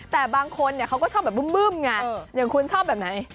แต่บางคนเขาก็ชอบแบบบึ้มไงอย่างคุณชอบแบบไหน